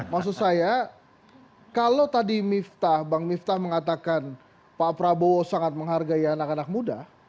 maksud saya kalau tadi miftah bang miftah mengatakan pak prabowo sangat menghargai anak anak muda